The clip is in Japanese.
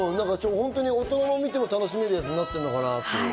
大人が見ても楽しめるやつになってるのかなって。